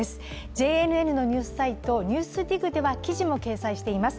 ＪＮＮのニュースサイト「ＮＥＷＳＤＩＧ」では記事も掲載しています。